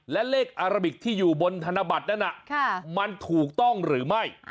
และเลขอาราบิกที่อยู่บนธนบัตรนั้นมันถูกต้องหรือไม่